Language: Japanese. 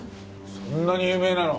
そんなに有名なの？